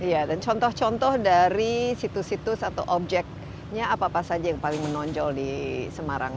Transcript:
iya dan contoh contoh dari situs situs atau objeknya apa apa saja yang paling menonjol di semarang